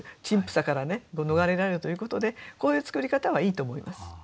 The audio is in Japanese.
陳腐さから逃れられるということでこういう作り方はいいと思います。